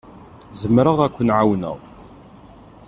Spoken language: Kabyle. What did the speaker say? Zemreɣ ad k-ɛawneɣ.